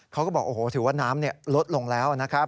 เขาก็บอกโอ้โหถือว่าน้ำลดลงแล้วนะครับ